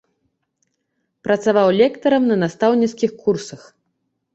Працаваў лектарам на настаўніцкіх курсах.